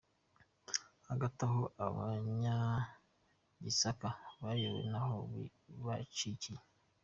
Hagati aho abanyagisaka bayoberwa aho bacikiye.